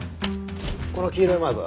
この黄色いマークは？